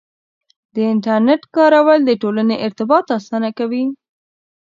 د انټرنیټ کارول د ټولنې ارتباط اسانه کوي.